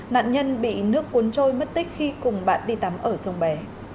nạn nhân bị nước cuốn trôi mất tích khi cùng bạn đi tắm ở sông bé